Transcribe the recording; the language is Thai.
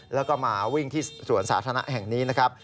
แล้วก็มาวิ่งที่สวนสาธารณะแห่งนี้นะครับ